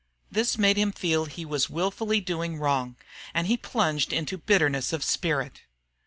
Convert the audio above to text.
This made him feel he was wilfully doing wrong. And he plunged into bitterness of spirit.